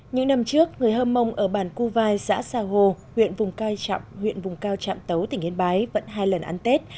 những năm trước người hâm mông ở bản cuvai xã xà hồ huyện vùng cao trạm tấu tỉnh yên bái vẫn hai lần ăn tết